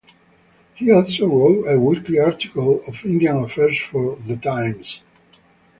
He also wrote a weekly article on Indian affairs for "The Times".